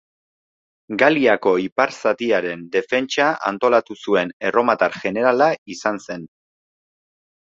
Galiako ipar zatiaren defentsa antolatu zuen erromatar jenerala izan zen.